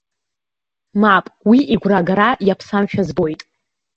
Мап, уи игәра агара иаԥсамшәа збоит.